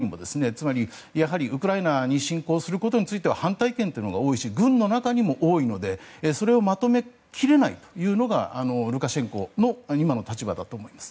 それから、閣内にもウクライナに侵攻することについては反対意見というのが多いし軍の中にも多いのでそれをまとめきれないのがルカシェンコの今の立場だと思います。